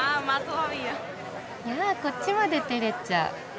いやこっちまでてれちゃう。